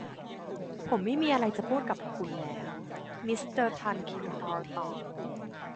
ผมไม่มีอะไรจะพูดกับคุณแล้ว มิสเตอร์ทัลคิงฮอร์นตอบ